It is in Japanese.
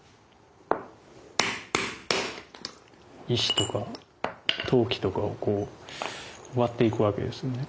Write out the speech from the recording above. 石とか陶器とかを割っていく訳ですね。